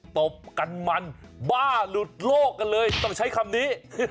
ตบกันมันบ้าหลุดโลกกันเลยต้องใช้คำนี้